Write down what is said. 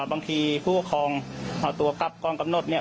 บางทีผู้ผู้ของธรรมดิการตัวกลับกองกลับนดเนี้ย